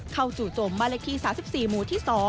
เข้าสู่โจมบาลกีศาสตร์๑๔มูลที่๒